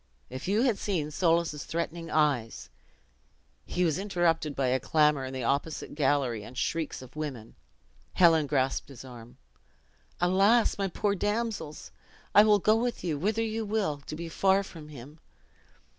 If you had seen Soulis' threatening eyes " He was interrupted by a clamor in the opposite gallery, and the shrieks of women. Helen grasped his arm. "Alas, my poor damsels! I will go with you, whither you will, to be far from him."